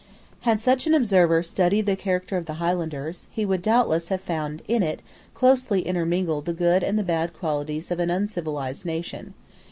Had such an observer studied the character of the Highlanders, he would doubtless have found in it closely intermingled the good and the bad qualities of an uncivilised nation.